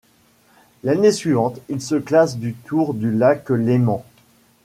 L'année suivante, il se classe du Tour du lac Léman.